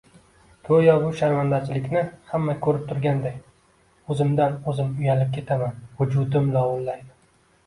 Goʻyo bu sharmandachilikni hamma koʻrib turganday oʻzimdan oʻzim uyalib ketaman, vujudim lovullaydi.